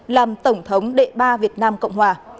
làm tổng thống đệ ba việt nam cộng hòa